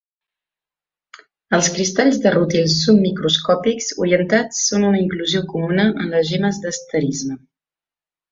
Els cristalls de rútil submicroscópics orientats són una inclusió comuna en les gemmes d'asterisme.